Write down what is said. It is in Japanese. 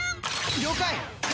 了解！